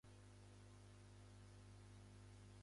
あの子のことはもう知らないわ